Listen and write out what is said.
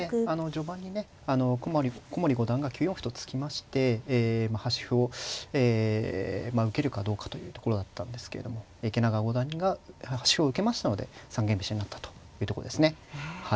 序盤にね古森五段が９四歩と突きまして端歩をえ受けるかどうかというところだったんですけども池永五段が端歩を受けましたので三間飛車になったというとこですね。